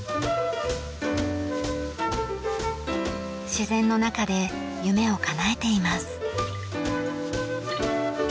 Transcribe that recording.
自然の中で夢をかなえています。